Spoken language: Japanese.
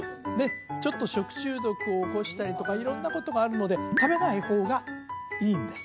ちょっと食中毒を起こしたりとか色んなことがあるので食べない方がいいんです